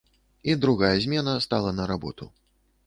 І другая змена стала на работу.